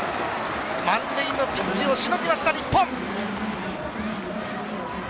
満塁のピンチを防ぎました日本！